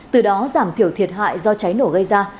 từ đó giảm thiểu thiệt hại do cháy nổ gây ra